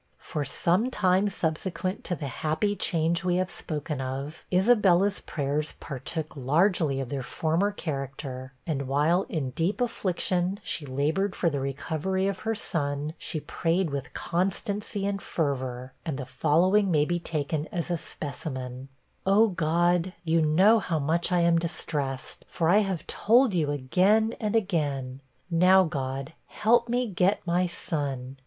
For some time subsequent to the happy change we have spoken off, Isabella's prayers partook largely of their former character; and while, in deep affliction, she labored for the recovery of her son, she prayed with constancy and fervor; and the following may be taken as a specimen: 'Oh, God, you know how much I am distressed, for I have told you again and again. Now, God, help me get my son.